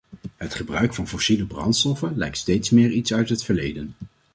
Het gebruik van fossiele brandstoffen lijkt steeds meer iets uit het verleden.